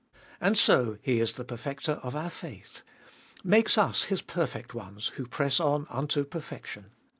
And so He is the Perfecter of our faith ; makes us His perfect ones, who press on unto per fection.